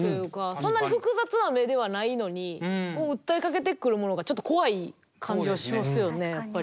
そんなに複雑な目ではないのにこう訴えかけてくるものがちょっと怖い感じはしますよねやっぱり。